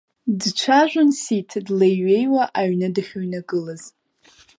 Дцәажәон Сиҭ длеи-ҩеиуа аҩны дахьыҩнагылаз.